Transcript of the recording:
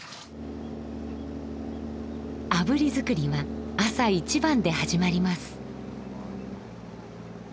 あぶり作りは朝一番で始まります。